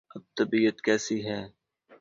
اب طبیعت کیسی ہے؟